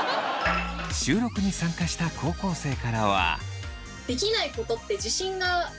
収録に参加した高校生からは。